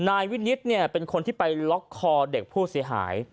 นายวินิตเนี่ยเป็นคนที่ไปล็อกคอเด็กผู้เสียหาย